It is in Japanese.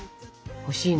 欲しいな。